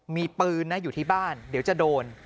มีปืนนะอยู่ที่บ้านเดี๋ยวจะโดน